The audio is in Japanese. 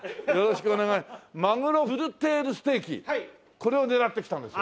これを狙って来たんですよ。